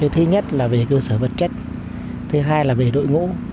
thứ nhất là về cơ sở vật chất thứ hai là về đội ngũ